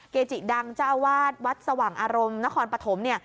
เกจิดังเจ้าอาวาสวัดสว่างอารมณ์นครปฐมเนี่ย